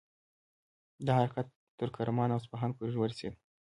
دا حرکت تر کرمان او اصفهان پورې ورسید.